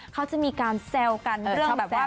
เขาจะมีการแซวกันเรื่องแบบว่า